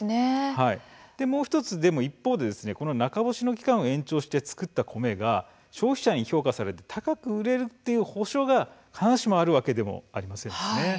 一方で、中干しの期間を延長して作った米が消費者に評価されて高く売れるというその保証が必ずしもあるわけでもありません。